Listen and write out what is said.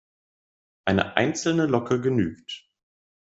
Eine einzelne Locke genügt.